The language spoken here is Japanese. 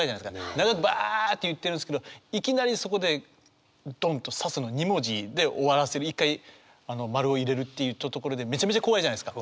長くばあって言ってるんですけどいきなりそこでどんと「刺す」の２文字で終わらせる一回丸を入れるっていうところでめちゃめちゃ怖いじゃないですか。